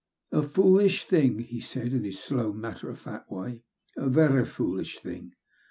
" A foolish thing," he said^ in his slow, matter of fact way, " a vera foolish thing.